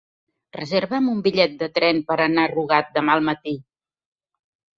Reserva'm un bitllet de tren per anar a Rugat demà al matí.